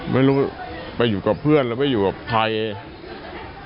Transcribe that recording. ไม่รู้ไปอยู่กับเพื่อนแล้วไปอยู่กับใคร